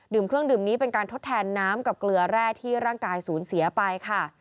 เครื่องดื่มนี้เป็นการทดแทนน้ำกับเกลือแร่ที่ร่างกายสูญเสียไปค่ะ